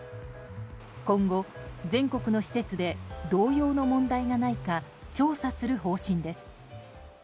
今後、全国の施設で同様の問題がないか調査する方針です。